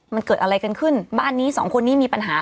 มันเกิดอะไรกันขึ้นบ้านนี้สองคนนี้มีปัญหา